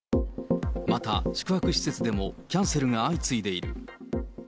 また、宿泊施設でも、キャンセルが相次いでいる。